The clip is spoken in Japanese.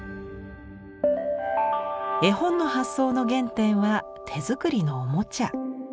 絵本の発想の原点は手作りのおもちゃ。